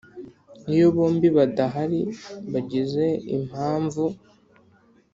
Iyo bombi badahari bagize impamvu